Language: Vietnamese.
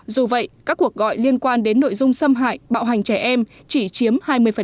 dù vậy các cuộc gọi liên quan đến nội dung xâm hại bạo hành trẻ em chỉ chiếm hai mươi